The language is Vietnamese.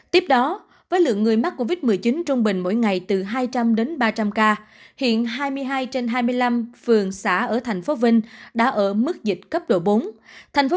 từ hai trăm linh đến ba trăm linh ca hiện hai mươi hai trên hai mươi năm phường xã ở thành phố vinh đã ở mức dịch cấp độ bốn thành phố